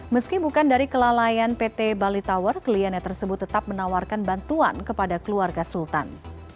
meski bukan dari kelalaian pt bali tower kliennya tersebut tetap menawarkan bantuan kepada keluarga sultan